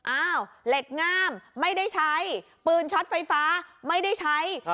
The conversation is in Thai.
อ้าวเหล็กง่ามไม่ได้ใช้ปืนช็อตไฟฟ้าไม่ได้ใช้